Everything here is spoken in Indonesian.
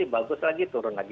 bagus lagi turun lagi